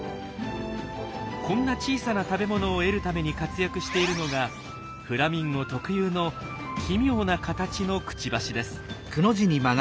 こんな小さな食べ物を得るために活躍しているのがフラミンゴ特有の奇妙な形のクチバシです。